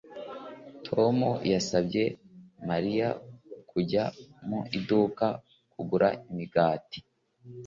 Tom yasabye Mariya kujya mu iduka kugura imigati